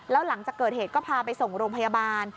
แล้วหลังจากเกิดเหตุก็พาไปส่งโรงพยาบาล